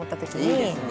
いいですね。